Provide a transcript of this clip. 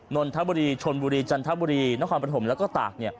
นนทบุรีชนบุรีจันทบุรีนครปฐมแล้วก็ตาก